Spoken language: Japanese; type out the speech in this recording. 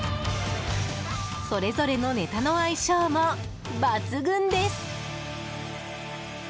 それぞれのネタの相性も抜群です。